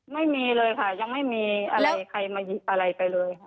ไม่มีเลยค่ะยังไม่มีอะไรใครมาหยิบอะไรไปเลยค่ะ